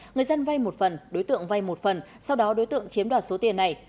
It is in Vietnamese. người dân vay một phần đối tượng vay một phần sau đó đối tượng chiếm đoạt số tiền này